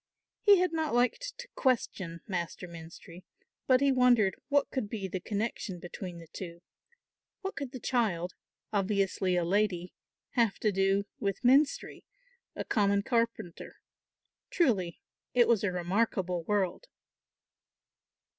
He had not liked to question Master Menstrie, but he wondered what could be the connection between the two; what could the child, obviously a lady, have to do with Menstrie, a common carpenter? Truly it was a remarkable world.